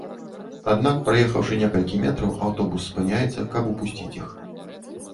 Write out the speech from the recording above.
Аднак праехаўшы некалькі метраў аўтобус спыняецца, каб упусціць іх.